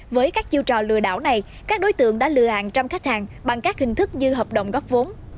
với các chiêu trò lừa đảo này các đối tượng đã lừa hàng trăm khách hàng bằng các hình thức như hợp đồng góp vốn